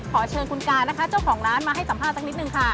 ขอเชิญคุณกานะคะเจ้าของร้านมาให้สัมภาษณ์สักนิดนึงค่ะ